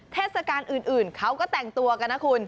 เทศกาลอื่นเขาก็แต่งตัวกันนะคุณ